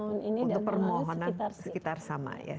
untuk permohonan sekitar sama ya